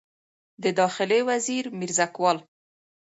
د داخلي وزیر میرزکوال